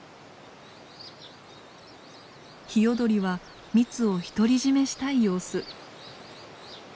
ヒヨドリは蜜を独り占めしたい様子。